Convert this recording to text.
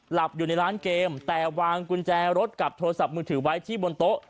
หลับอยู่ในร้านเกมแต่วางกุญแจรถกับโทรศัพท์มือถือไว้ที่บนโต๊ะ